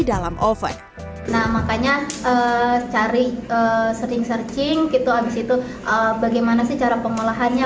dalam oven nah makanya cari sering searching gitu habis itu bagaimana secara pengolahannya